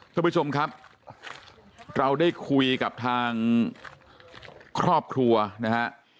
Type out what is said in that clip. คุณผู้ชมครับเราได้คุยกับทางครอบครัวนะฮะ